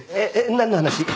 何の話？